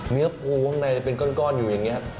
เนื้อปูข้างในเป็นก้อนอยู่อย่างนี้